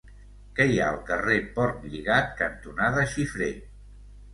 Què hi ha al carrer Portlligat cantonada Xifré?